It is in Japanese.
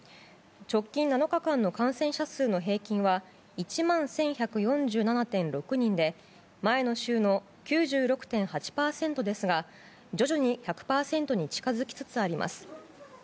直近７日間の感染者数の平均は１万１１４７．６人で前の週の９６．８％ですが徐々に１００％に近づきつつあります。